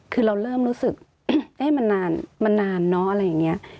คือเราเริ่มรู้สึกเอ๊ะมันนานมันนานเนอะอะไรอย่างนี้